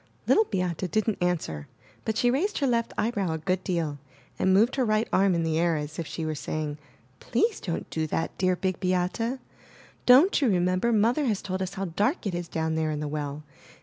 Little Beate didn't answer, but she raised her left eye brow a good deal and moved her right arm in the air as if she were saying, *Tlease don't do that, dear Big Beate! Don't you remember Mother has told us how dark it is down there in the well?